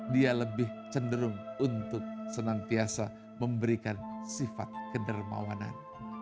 dia lebih cenderung untuk senantiasa memberikan sifat kedermawanan